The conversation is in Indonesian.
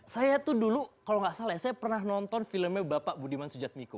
saya tuh dulu kalau nggak salah ya saya pernah nonton filmnya bapak budiman sujatmiko